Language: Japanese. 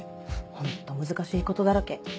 ホント難しいことだらけ。